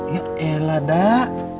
ya elah dah